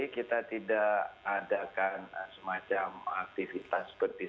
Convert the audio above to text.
kita tidak adakan semacam aktivitas seperti